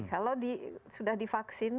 kalau sudah divaksin